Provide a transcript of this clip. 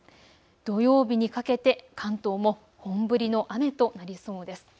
土曜日にかけて関東も本降りの雨となりそうです。